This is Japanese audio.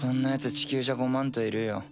地球じゃごまんといるよ。